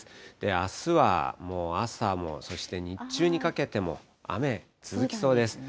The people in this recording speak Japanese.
あすはもう朝も、そして日中にかけても雨続きそうです。